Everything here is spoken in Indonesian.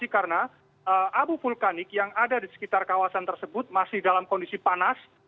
karena abu vulkanik yang ada di sekitar kawasan tersebut masih dalam kondisi panas